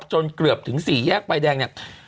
จนเกือบถึงสี่แยกไฟแดงเนี่ย